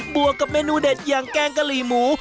วกกับเมนูเด็ดอย่างแกงกะหรี่หมู